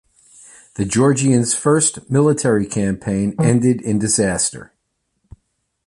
The Georgians' first military campaign ended in disaster.